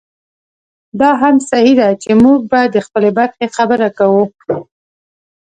دا هم صحي ده چې موږ به د خپلې برخې خبره کوو.